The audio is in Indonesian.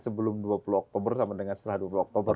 sebelum dua puluh oktober sama dengan setelah dua puluh oktober